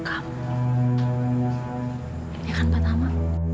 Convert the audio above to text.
ya kan pak tamah